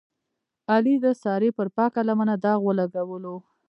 علي د سارې پر پاکه لمنه داغ ولګولو.